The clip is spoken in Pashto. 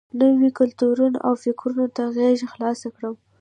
نویو کلتورونو او فکرونو ته غېږه خلاصه کړم.